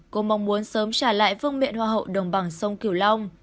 cô mong muốn sớm trả lại vương miện hoa hậu đồng bằng sông kiểu long